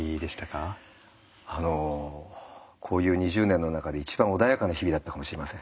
こういう２０年の中で一番穏やかな日々だったかもしれません。